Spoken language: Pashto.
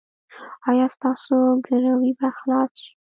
ایا ستاسو ګروي به خلاصه شي؟